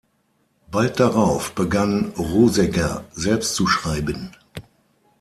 Bald darauf begann Rosegger selbst zu schreiben.